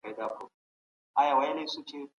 د خلګو د حقونو په اړه راپورونه همیش مهم دي.